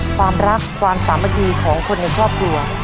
ความรักความสามัคคีของคนในครอบครัว